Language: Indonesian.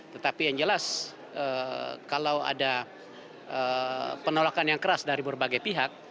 tetapi yang jelas kalau ada penolakan yang keras dari berbagai pihak